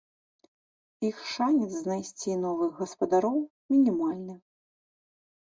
Іх шанец знайсці новых гаспадароў мінімальны.